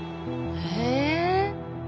え。